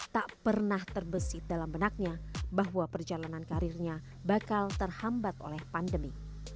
tak pernah terbesit dalam benaknya bahwa perjalanan karirnya bakal terhambat oleh pandemi